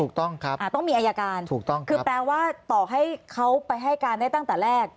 ถูกต้องครับถูกต้องครับคือแปลว่าต่อให้เขาไปให้การได้ตั้งแต่แรก